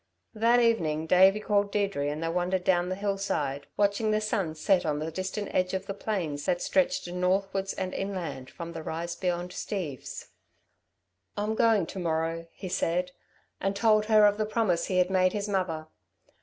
That evening Davey called Deirdre and they wandered down the hillside, watching the sun set on the distant edge of the plains that stretched, northwards and inland, from the rise beyond Steve's. "I'm going to morrow," he said, and told her of the promise he had made his mother.